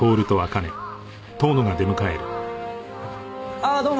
ああどうも。